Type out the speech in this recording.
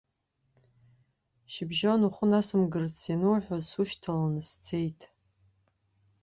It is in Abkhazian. Шьыбжьон ухәы насымгарц иануҳәаз сушьҭаланы сцеит.